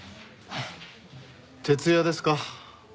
徹夜ですか。